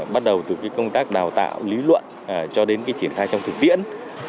bắt đầu từ cái công tác đào tạo lý luận cho đến cái triển khai trong thực tiễn